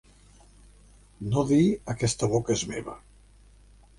No dir aquesta boca és meva.